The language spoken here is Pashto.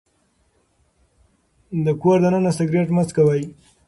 د کور دننه سګرټ مه څکوئ.